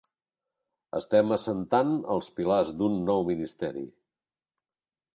Estem assentant els pilars d’un nou ministeri.